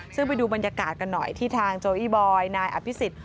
ซึ่งไปดูบรรยากาศกันหน่อยที่ทางโจอี้บอยนายอภิษฎ